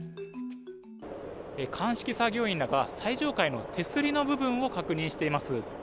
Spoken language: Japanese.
鑑識作業員らが最上階の手すりの部分を確認しています。